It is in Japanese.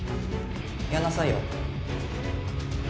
「やんなさいよ」